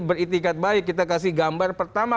beriktikat baik kita kasih gambar pertama